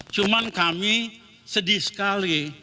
cuma kami sedih sekali